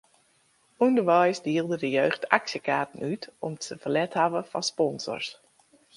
Underweis dielde de jeugd aksjekaarten út omdat se ferlet hawwe fan sponsors.